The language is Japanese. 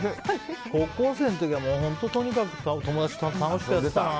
高校生の時はとにかく友達と楽しくやってたな。